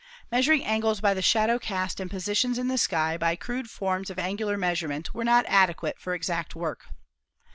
Measuring angles by the shadow cast and positions in the sky by crude forms of angular measurement were not adequate for exact work.